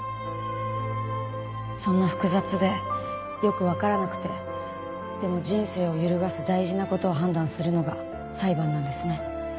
そんな複雑でよくわからなくてでも人生を揺るがす大事な事を判断するのが裁判なんですね。